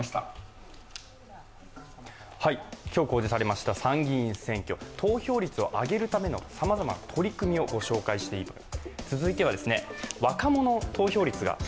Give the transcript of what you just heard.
今日公示されました参議院選挙、投票率を上げるためのさまざまな取り組みを紹介しています。